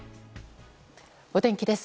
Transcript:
お天気です。